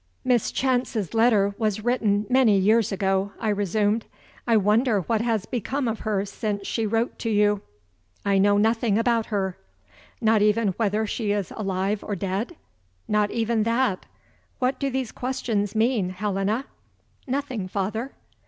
"Miss Chance's letter was written many years ago," I resumed. "I wonder what has become of her since she wrote to you." "I know nothing about her." "Not even whether she is alive or dead?" "Not even that. What do these questions mean, Helena?" "Nothing, father."